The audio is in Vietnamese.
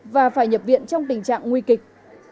và phải nhập viện trong tình trạng nguy kịch